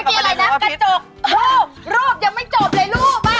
มีอะไรนะกระจกรูปยังไม่จบเลยรูปอ่ะ